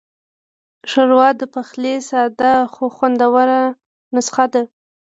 ښوروا د پخلي ساده خو خوندوره نسخه ده.